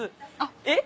えっ？